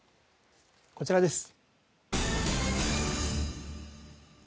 こちらです。